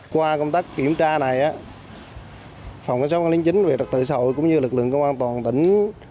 qua công tác kiểm tra này phòng cơ sở quản lý chính về đặc tội sậu cũng như lực lượng công an toàn tỉnh